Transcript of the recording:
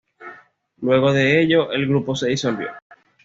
Luego de ello el grupo se disolvió.